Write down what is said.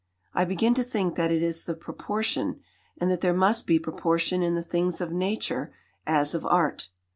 I begin to think that it is the proportion, and that there must be proportion in the things of Nature as of Art.